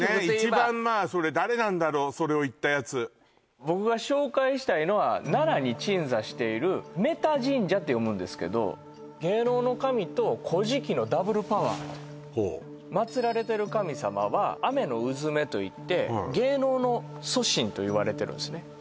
一番まあそれ誰なんだろうそれを言ったやつ僕が紹介したいのは奈良に鎮座している賣太神社って読むんですけど芸能の神と「古事記」のダブルパワーほう祀られてる神様はアメノウズメといって芸能の祖神といわれてるんですね